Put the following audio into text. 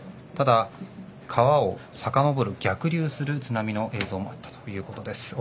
ただ、川をさかのぼる逆流する津波の映像もあったということです。